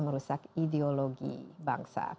merusak ideologi bangsa